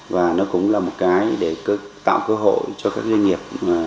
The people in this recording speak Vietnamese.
và nó cũng là một cái để tạo cơ hội cho các doanh nghiệp